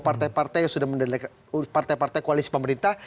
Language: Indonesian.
partai partai yang sudah mendelek partai partai koalisi pemerintah